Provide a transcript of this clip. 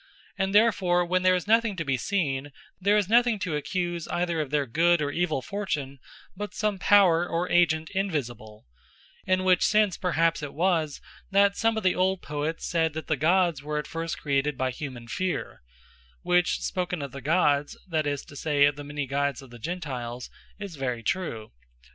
And therefore when there is nothing to be seen, there is nothing to accuse, either of their good, or evill fortune, but some Power, or Agent Invisible: In which sense perhaps it was, that some of the old Poets said, that the Gods were at first created by humane Feare: which spoken of the Gods, (that is to say, of the many Gods of the Gentiles) is very true.